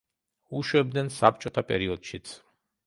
უშვებდნენ საბჭოთა პერიოდშიც.